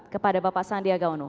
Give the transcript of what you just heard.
kepada bapak sandiagaono